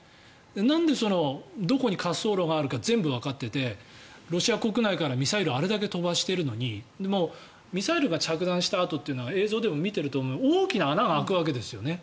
なんで、どこに滑走路があるか全部わかっていてロシア国内からミサイルをあれだけ飛ばしているのにミサイルが着弾した跡というのは映像でも見ていると思いますが大きな穴が開くわけですよね。